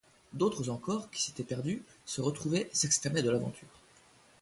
D'autres encore, qui s'étaient perdues, se retrouvaient, s'exclamaient de l'aventure.